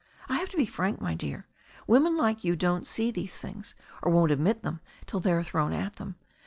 I have to be frank, my dear. Women like you don't see these things, or won't admit them till they are thrown at them.